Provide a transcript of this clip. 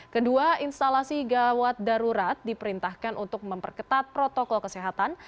kedua instalasi gawat darurat diperintahkan untuk memperketat protokol kesehatan